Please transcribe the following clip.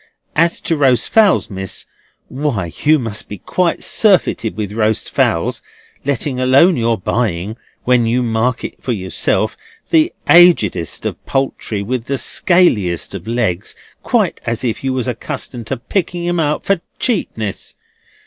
As to roast fowls, Miss, why you must be quite surfeited with roast fowls, letting alone your buying, when you market for yourself, the agedest of poultry with the scaliest of legs, quite as if you was accustomed to picking 'em out for cheapness.